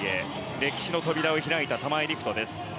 歴史の扉を開いた玉井陸斗です。